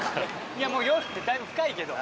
いやもう夜だいぶ深いけど。